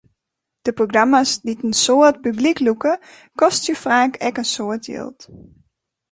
De programma's dy't in soad publyk lûke, kostje faak ek in soad jild.